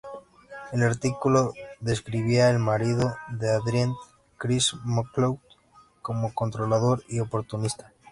El artículo describía al marido de Adrienne, Chris McCloud, como controlador y oportunista.